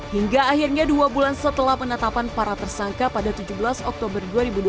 hingga akhirnya dua bulan setelah penetapan para tersangka pada tujuh belas oktober dua ribu dua puluh